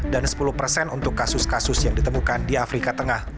dan sepuluh persen untuk kasus kasus yang ditemukan di afrika tengah